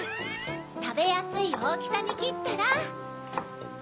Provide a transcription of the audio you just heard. たべやすいおおきさにきったら。